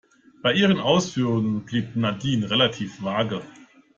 Bei ihren Ausführungen blieb Nadine relativ vage.